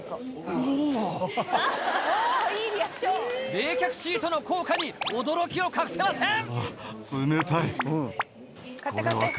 冷却シートの効果に驚きを隠ああ、冷たい。